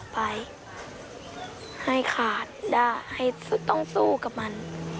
ไปให้ขาดด้าให้ต้องสู้กับมัน